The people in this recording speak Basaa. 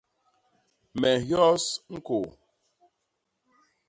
Me nhyos ñkôô.